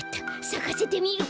さかせてみる！